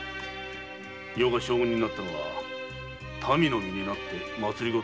余が将軍になったのは民の身になって政を行うためだ。